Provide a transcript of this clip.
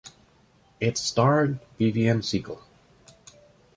It starred Vivienne Segal.